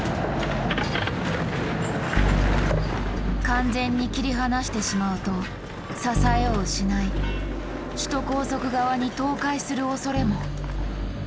完全に切り離してしまうと支えを失い首都高速側に倒壊するおそれも。